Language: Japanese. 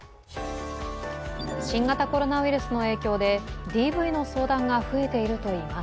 新型コロナウイルスの影響でＤＶの相談が増えているといいます。